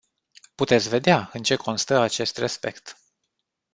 Puteți vedea în ce constă acest respect.